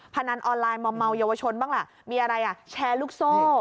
พนันออนไลน์มอมเมาเยาวชนบ้างล่ะมีอะไรอ่ะแชร์ลูกโซ่